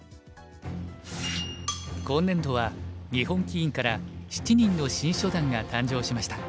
今年度は日本棋院から７人の新初段が誕生しました。